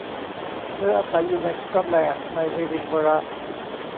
เธออาศัยอยู่ในสก๊อตแลนด์ ในเอดินเบอระ